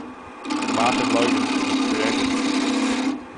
MartinLogan was created.